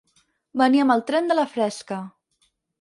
Venir amb el tren de la fresca.